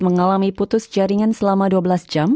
mengalami putus jaringan selama dua belas jam